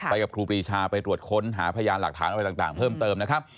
กับครูปรีชาไปตรวจค้นหาพยานหลักฐานอะไรต่างเพิ่มเติมนะครับ